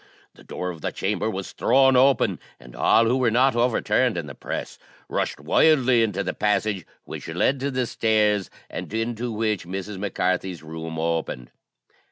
The door of the chamber was thrown open, and all who were not overturned in the press rushed wildly into the passage which led to the stairs, and into which Mrs. Mac Carthy's room opened.